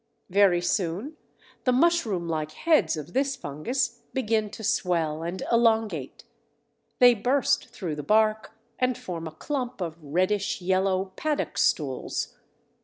Very soon the mushroom like heads of this fungus begin to swell and elongate; they burst through the bark and form a clump of reddish yellow Paddock stools.